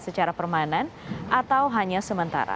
secara permanen atau hanya sementara